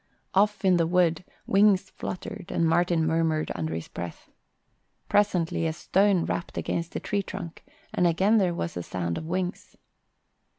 Off in the wood wings fluttered and Martin murmured under his breath. Presently a stone rapped against a tree trunk and again there was the sound of wings.